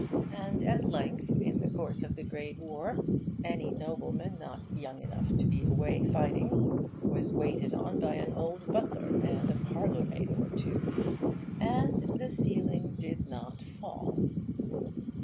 And at length, in the course of the great War, any Nobleman not young enough to be away fighting was waited on by an old butler and a parlourmaid or two; and the ceiling did not fall.